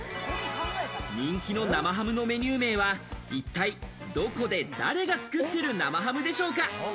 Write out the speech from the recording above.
人気の生ハムのメニュー名は一体どこで誰が作ってる生ハムでしょうか？